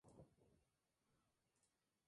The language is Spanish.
Se la conoce como la primera ópera cómica francesa.